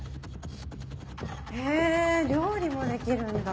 へぇ料理もできるんだ。